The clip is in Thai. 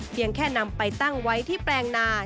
แค่นำไปตั้งไว้ที่แปลงนา